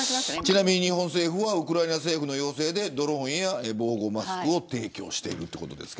ちなみに日本政府はウクライナ政府の要請でドローンや防護マスクを提供しているということです。